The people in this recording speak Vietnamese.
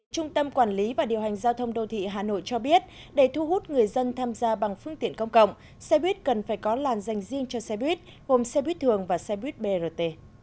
trung tâm quản lý và điều hành giao thông đô thị hà nội cho biết để thu hút người dân tham gia bằng phương tiện công cộng xe buýt cần phải có làn dành riêng cho xe buýt gồm xe buýt thường và xe buýt brt